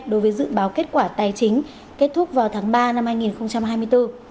đối với dự báo kết quả tài chính kết thúc vào tháng ba năm hai nghìn hai mươi bốn